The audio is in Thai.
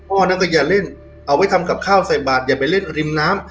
นั่นก็อย่าเล่นเอาไว้ทำกับข้าวใส่บาทอย่าไปเล่นริมน้ำ